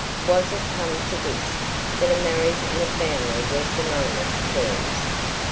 Was it come to this that marriage and a family were synonymous terms?